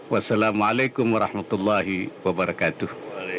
wassalamu'alaikum warahmatullahi wabarakatuh